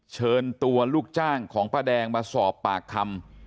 เชิญตัวลูกจ้างของป้าแดงมาสอบปากคำ